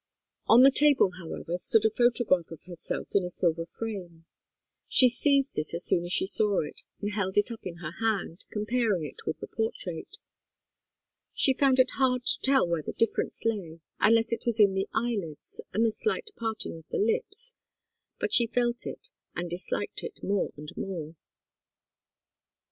On the table, however, stood a photograph of herself in a silver frame. She seized it as soon as she saw it and held it up in her hand, comparing it with the portrait. She found it hard to tell where the difference lay, unless it was in the eyelids and the slight parting of the lips, but she felt it and disliked it more and more.